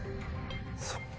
そっか。